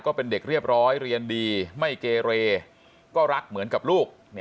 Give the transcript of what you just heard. ก็เป็นเด็กเรียบร้อยเรียนดีไม่เกเรก็รักเหมือนกับลูก